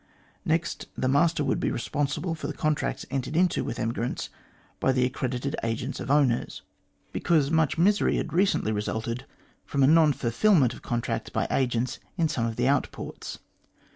Next, the master would be responsible for the contracts entered into with emigrants by the accredited agents of owners, MR GLADSTONE AND THE COLONIES 225 because much misery had recently resulted from a non fulfilment of contracts by agents in some of the out ports.